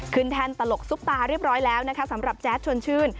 แท่นตลกซุปตาเรียบร้อยแล้วนะคะสำหรับแจ๊ดชวนชื่น